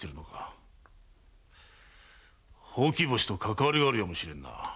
ほうき星とかかわりがあるやもしれぬな。